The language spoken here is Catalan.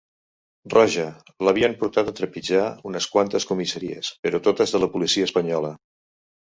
Roja, l'havien portat a trepitjar unes quantes comissaries, però totes de la policia espanyola.